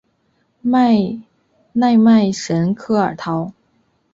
奈迈什科尔陶。